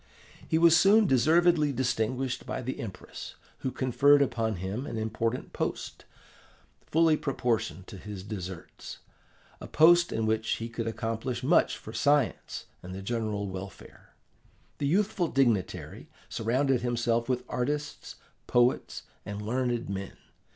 He was soon deservedly distinguished by the Empress, who conferred upon him an important post, fully proportioned to his deserts a post in which he could accomplish much for science and the general welfare. The youthful dignitary surrounded himself with artists, poets, and learned men.